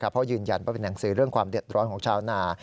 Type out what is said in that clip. เพราะยืนยันว่าเป็นหนังสือเรื่องความเดือดร้อนของชาวนา